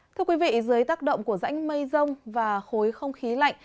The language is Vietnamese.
thưa quý vị dưới tác động của rãnh mây rông và khối không khí lạnh